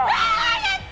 やった！